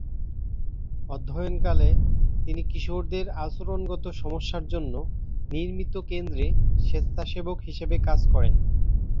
অধ্যয়ন কালে তিনি কিশোরদের আচরণগত সমস্যার জন্য নির্মিত কেন্দ্রে স্বেচ্ছাসেবক হিসেবে কাজ করেন।